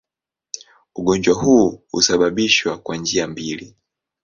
Ugonjwa huu husababishwa kwa njia mbili.